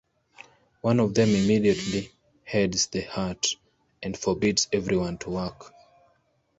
One of them immediately heads the hut and forbids everyone to work.